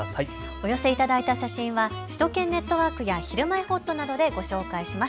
お寄せいただいた写真は首都圏ネットワークやひるまえほっとなどで紹介します。